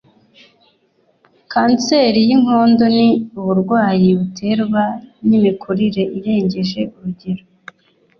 Kanseri y'inkondo ni uburwayi buterwa n'imikurire irengeje urugero